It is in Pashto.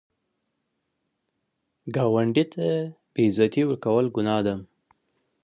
ګاونډي ته بې عزتي ورکول ګناه ده